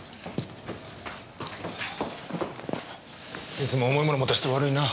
いつも重い物持たせて悪いな。